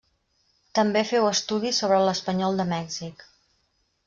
També féu estudis sobre l'espanyol de Mèxic.